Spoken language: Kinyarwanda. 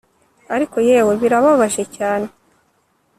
Ariko yewe Birababaje cyane